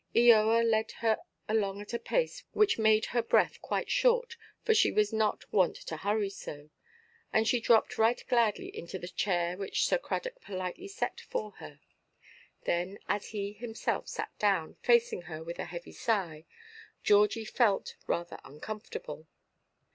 Eoa led her along at a pace which made her breath quite short, for she was not wont to hurry so, and she dropped right gladly into the chair which Sir Cradock politely set for her. Then, as he himself sat down, facing her with a heavy sigh, Georgie felt rather uncomfortable.